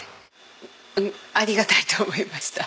ありがたいと思いました。